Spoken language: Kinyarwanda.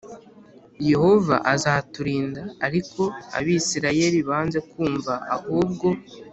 Yehova azaturinda ariko abisirayeli banze kumva ahubwo